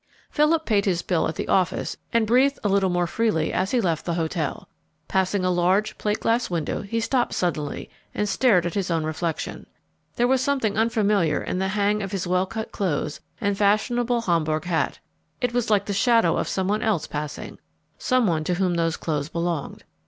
Philip paid his bill at the office and breathed a little more freely as he left the hotel. Passing a large, plate glass window he stopped suddenly and stared at his own reflection. There was something unfamiliar in the hang of his well cut clothes and fashionable Homburg hat. It was like the shadow of some one else passing some one to whom those clothes belonged.